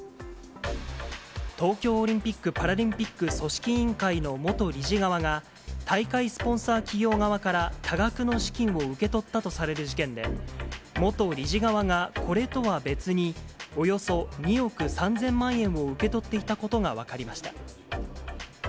東京オリンピック・パラリンピック組織委員会の元理事側が、大会スポンサー企業側から多額の資金を受け取ったとされる事件で、元理事側がこれとは別に、およそ２億３０００万円を受け取っていたことが分かりました。